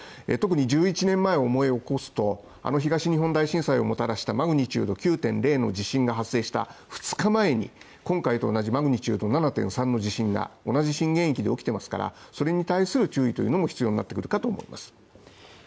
特に１１年前を思い起こすと、あの東日本大震災をもたらしたマグニチュード９．０の地震が発生した２日前に今回と同じマグニチュード７．３の地震が同じ震源域で起きてますから、それに対する注意というのも必要になってくるかと思います。